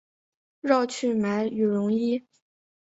绕去买羽绒衣